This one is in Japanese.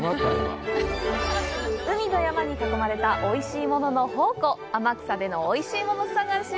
海と山に囲まれたおいしいものの宝庫・天草でのおいしいもの探し！